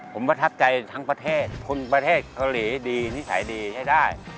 ผมประทับใจทั้งประเทศคุณประเทศเกาหลีดีนิสัยดีให้ได้